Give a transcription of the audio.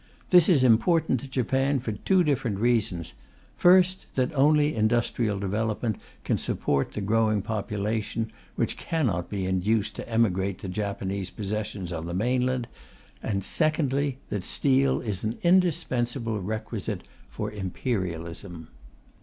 This is important to Japan, for two different reasons: first, that only industrial development can support the growing population, which cannot be induced to emigrate to Japanese possessions on the mainland; secondly, that steel is an indispensable requisite for imperialism.